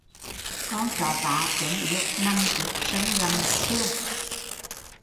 Con chó vá ốm yếu nằm trước sân gặm xương